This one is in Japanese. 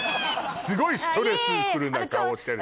すごいストレスフルな顔してる。